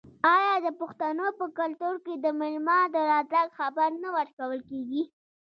آیا د پښتنو په کلتور کې د میلمه د راتګ خبر نه ورکول کیږي؟